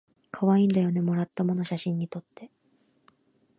かわいいんだよねもらったもの写真にとって